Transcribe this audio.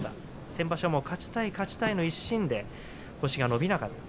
先場所も勝ちたい勝ちたいの一心で星が伸びなかった。